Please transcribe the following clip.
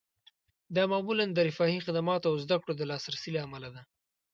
دا معمولاً د رفاهي خدماتو او زده کړو د لاسرسي له امله ده